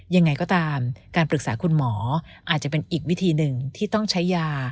ยังไงก็ตามการปรึกษาคุณหมออาจจะเป็นอีกวิธีหนึ่งที่ต้องใช้ยา